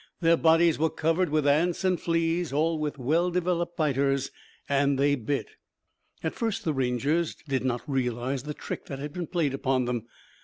Their bodies were covered with ants and fleas, all with well developed biters and they bit! At first the Rangers did not realize the trick that had been played upon them.